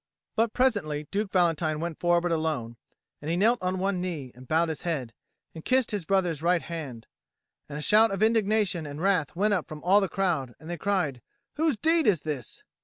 But presently Duke Valentine went forward alone; and he knelt on one knee and bowed his head, and kissed his brother's right hand. And a shout of indignation and wrath went up from all the crowd, and they cried, "Whose deed is this?"